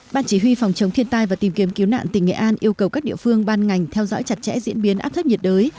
ban chỉ huy phòng chống thiên tai và tìm kiếm cứu nạn tỉnh nghệ an yêu cầu các địa phương ban ngành theo dõi chặt chẽ diễn biến áp thấp nhiệt đới